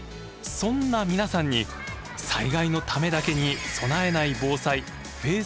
そんな皆さんに災害のためだけに備えない防災フェーズ